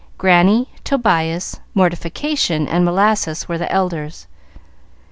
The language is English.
Granny, Tobias, Mortification, and Molasses were the elders.